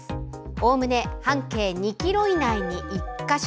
おおむね半径２ｋｍ以内に１か所。